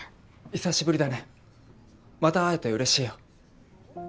久しぶりだねまた会えて嬉しいよ。